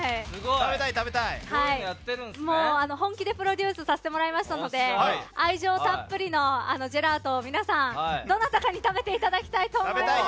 本気でプロデュースさせてもらいましたので愛情たっぷりのジェラートを皆さんどなたかに食べていただきたいと思います。